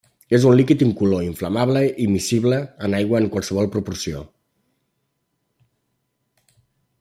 És un líquid incolor, inflamable i miscible en aigua en qualsevol proporció.